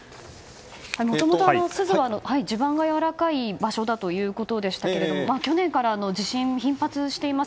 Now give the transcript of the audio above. もともと、珠洲は地盤がやわらかい場所ということでしたが去年から地震が頻発しています。